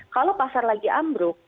kalau pasar lagi ambruk